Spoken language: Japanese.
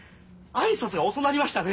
挨拶が遅なりましたね。